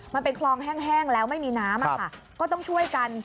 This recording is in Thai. มันเป็นคลองแห้งแล้วไม่มีน้ำก็ต้องช่วยกัน